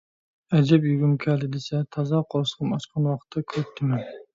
ئەجەب يېگۈم كەلدى دېسە! تازا قورسىقىم ئاچقان ۋاقىتتا كۆرۈپتىمەن.